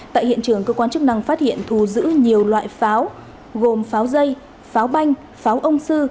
tại hiện trường cơ quan chức năng phát hiện thù giữ nhiều loại pháo gồm pháo dây pháo banh pháo ông sư